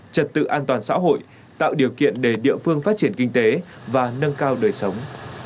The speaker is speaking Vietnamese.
trật tự an toàn xã hội tạo điều kiện để địa phương phát triển kinh tế và nâng cao đời sống